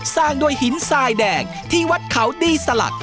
สร้างด้วยหินทรายแดงที่วัดเขาดีสลัก